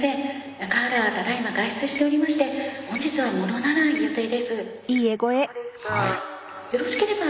中原はただいま外出しておりまして本日は戻らない予定です。